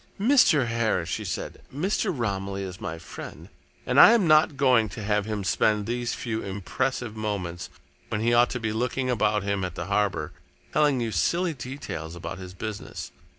"Mr. Harris," she said, "Mr. Romilly is my friend, and I am not going to have him spend these few impressive moments, when he ought to be looking about him at the harbour, telling you silly details about his business.